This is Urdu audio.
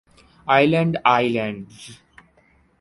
Aland islands